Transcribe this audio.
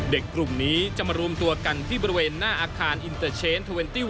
กลุ่มนี้จะมารวมตัวกันที่บริเวณหน้าอาคารอินเตอร์เชนทเวนติ้ว